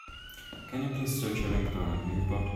Can you please search Ellington at Newport?